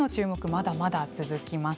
まだまだ続きます。